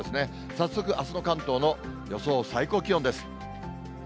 早速、あすの関東の予想最高気温です。